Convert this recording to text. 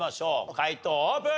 解答オープン！